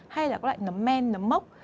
hay là có loại nấm men nấm mốc